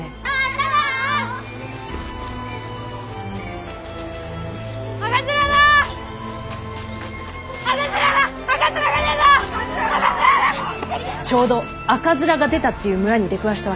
ちょうど赤面が出たっていう村に出くわしたわけ。